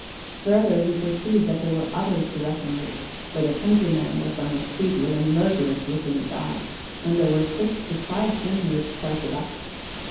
Further, he perceived that there were others to reckon with, for the countryman was on his feet with a murderous look in his eye and there were six besides him who had started up.